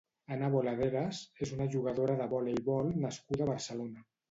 Ana Boladeras és una jugadora de voleibol nascuda a Barcelona.